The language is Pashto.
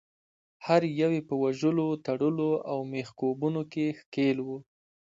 هر یو یې په وژلو، تړلو او میخکوبونو کې ښکیل وو.